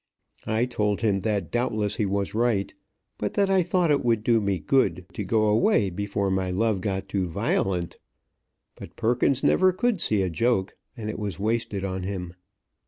I told him that doubtless he was right, but that I thought it would do me good to go away before my love got too violent. But Perkins never could see a joke, and it was wasted on him.